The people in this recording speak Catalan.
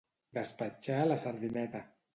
Despatxar la sardineta.